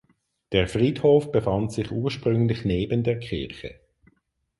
Der Friedhof befand sich ursprünglich neben der Kirche.